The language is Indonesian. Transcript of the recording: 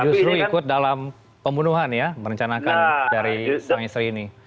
justru ikut dalam pembunuhan ya merencanakan dari sang istri ini